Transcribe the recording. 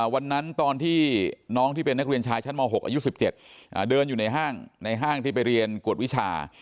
วันที่น้องที่เป็นนักเรียนชายชั้นม๖อายุ๑๗เดินอยู่ในห้างในห้างที่ไปเรียนกวดวิชา